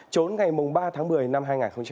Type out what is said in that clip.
trốn ngày ba tháng một mươi năm hai nghìn một mươi chín